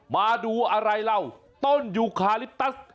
มาดูอะไรเราต้นยูคาลิปตัส